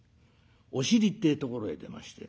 お尻ってえところへ出まして。